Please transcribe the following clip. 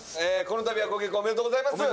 この度はご結婚おめでとうございます。